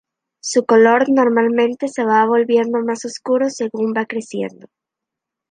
Su color normalmente se va volviendo más oscuro según van creciendo.